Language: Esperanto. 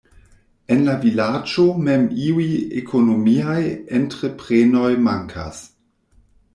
En la vilaĝo mem iuj ekonomiaj entreprenoj mankas.